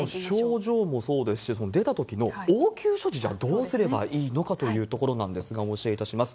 症状もそうですし、出たときの応急処置、じゃあ、どうすればいいのかというところなんですが、お教えいたします。